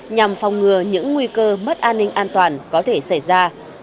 nhằm phòng ngừa những nguy cơ mất an ninh an toàn có thể xảy ra